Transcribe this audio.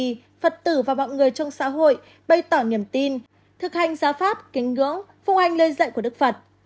phật tử và mọi người trong xã hội bày tỏ nghiệm tin thực hành giáo pháp kính ngưỡng phong anh lời dạy của đức phật